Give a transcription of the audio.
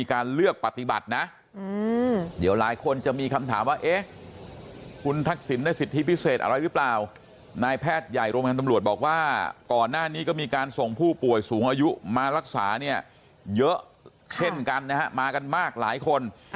นายแพทย์ใหญ่โรงพยาบาลตำรวจบอกว่าก่อนหน้านี้ก็มีการส่งผู้ป่วยสูงอายุมารักษาเยอะเช่นกันนะฮะมากันมากหลายคน